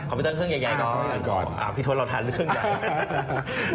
คอมพิวเตอร์เครื่องใหญ่ก่อนพี่ท้วนเราทันเครื่องใหญ่